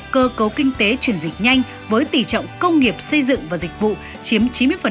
cơ cấu kinh tế chuyển dịch nhanh với tỷ trọng công nghiệp xây dựng và dịch vụ chiếm chín mươi